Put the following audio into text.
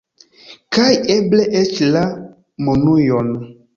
Kaj eble eĉ la monujon.